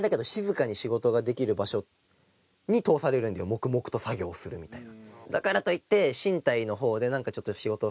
黙々と作業するみたいな。